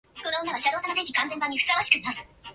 He qualifies as a local player because of his English parents.